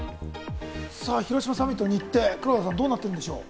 広島サミットの日程、黒田さん、どうなってるんでしょう？